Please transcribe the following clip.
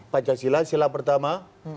pancasila silah pertama